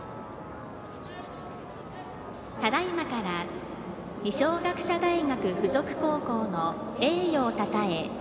ただいまから二松学舎大付属高校の栄誉をたたえ